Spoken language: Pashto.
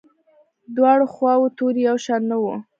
دواړو خواوو توري یو شان نه وو.